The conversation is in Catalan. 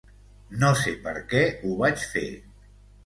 No sé per què ho vaig fer.